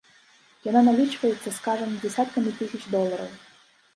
Яна налічваецца, скажам, дзясяткамі тысяч долараў.